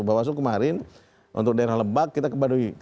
bawasu kemarin untuk daerah lebak kita ke baduy